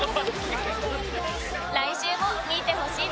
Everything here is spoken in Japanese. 来週も見てほしいんだ Ｊ！